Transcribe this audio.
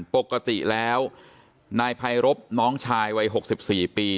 ปกติแล้วนายภัยรบรุจิโรภาสน้องชายวัยหกสิบสี่ปี